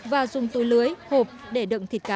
và dùng túi lưới hộp để đựng thịt cá